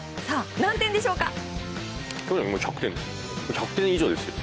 さあ、何点でしょうか？